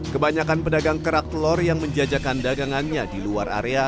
kebanyakan pedagang kerak telur yang menjajakan dagangannya di luar area